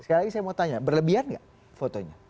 sekali lagi saya mau tanya berlebihan nggak fotonya